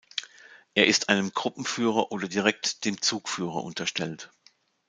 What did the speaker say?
Er ist einem Gruppenführer oder direkt dem Zugführer unterstellt.